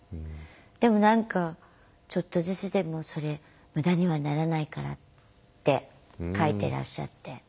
でも何かちょっとずつでもそれ無駄にはならないからって書いてらっしゃって。